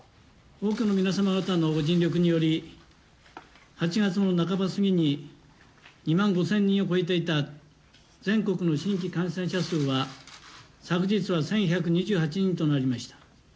多くの皆様方のご尽力により、８月の半ば過ぎに２万５０００人を超えていた全国の新規感染者数は昨日は１１２８人となりました。